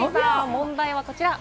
問題は、こちら。